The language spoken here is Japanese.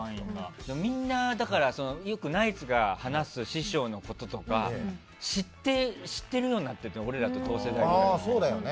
みんな、よくナイツが話す師匠のこととか知ってるってなってて俺ら同世代とか。